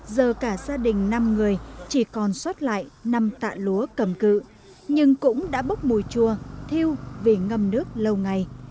giờ cả gia đình năm người chỉ còn xót lại năm tạ lúa cầm cự nhưng cũng đã bốc mùi chua thiêu vì ngâm nước lâu ngày